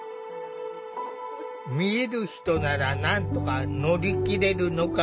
見える人ならなんとか乗り切れるのかもしれない。